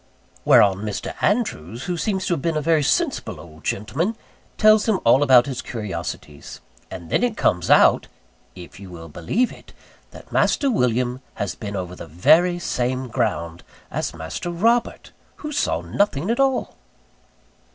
Whereon Mr. Andrews, who seems to have been a very sensible old gentleman, tells him all about his curiosities: and then it comes out if you will believe it that Master William has been over the very same ground as Master Robert, who saw nothing at all.